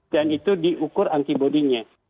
dan itu diukur antibody nya